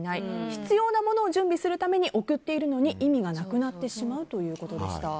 必要なものを準備するために贈っているのに意味がなくなってしまうということでした。